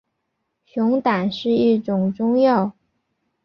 熊胆是一种中药。